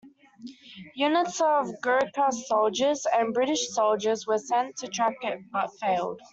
Units of Gurkha soldiers and British soldiers were sent to track it but failed.